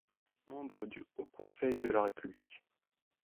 Membre du Haut Conseil de la République.